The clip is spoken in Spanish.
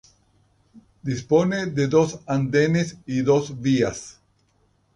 Dispone de dos andenes y dos vías.